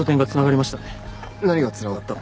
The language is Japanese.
何が繋がった？